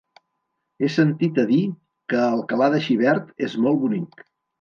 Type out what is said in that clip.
He sentit a dir que Alcalà de Xivert és molt bonic.